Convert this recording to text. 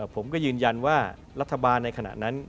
ผมก็ยืนยันว่ารัฐบาลในขณะนั้น